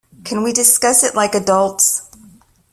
Can we discuss it like adults?